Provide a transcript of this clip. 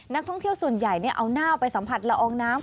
นักท่องเที่ยวส่วนใหญ่เอาหน้าไปสัมผัสละอองน้ำ